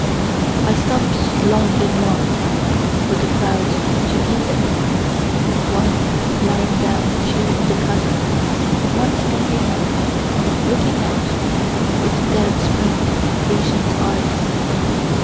I stop's long and long, with the crowd, to view them one lying down chewing the cud, and one standing up, looking out, with dense fringed patient eyes.